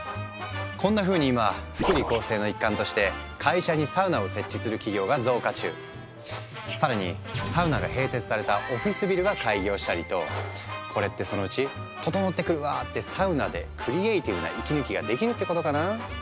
こんなふうに今更にサウナが併設されたオフィスビルが開業したりとこれってそのうち「ととのってくるわ」ってサウナでクリエーティブな息抜きができるってことかな？